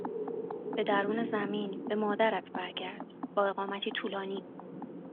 به درون زمین، به مادرت برگرد. با اقامتی طولانی